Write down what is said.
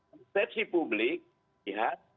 persetri publik lihat